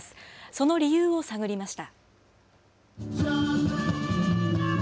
その理由を探りました。